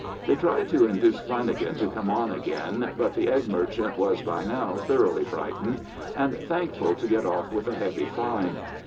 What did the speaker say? They tried to induce Flanagan to come on again; but the egg merchant was by now thoroughly frightened, and thankful to get off with a heavy fine.